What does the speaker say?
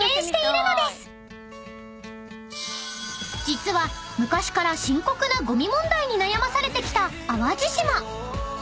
［実は昔から深刻なゴミ問題に悩まされてきた淡路島］